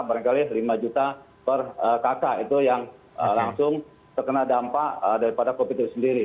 mereka jadi rp lima juta per kaca itu yang langsung terkena dampak daripada covid itu sendiri